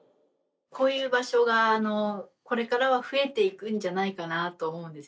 こういう場所がこれからは増えていくんじゃないかなと思うんですよね。